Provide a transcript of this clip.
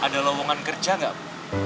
ada lowongan kerja nggak bu